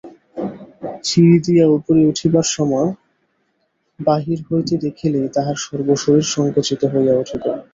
সিঁড়ি দিয়া উপরে উঠিবার সময় বাহির হইতে দেখিলেই তাহার সর্বশরীর সংকুচিত হইয়া উঠিত।